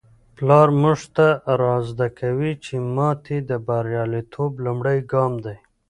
پلار موږ ته را زده کوي چي ماتې د بریالیتوب لومړی ګام دی.